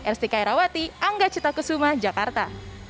r s t k airawati angga cita kusuma jakarta